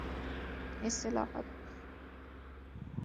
اصلاحات د نظام عمر زیاتوي